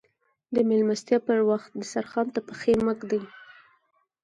د ميلمستيا پر وخت دسترخوان ته پښې مه ږدئ.